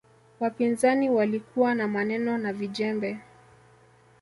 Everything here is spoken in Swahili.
wapinzani walikuwa na maneno na vijembe